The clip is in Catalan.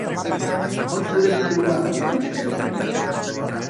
On podem trobar el dibuix característic?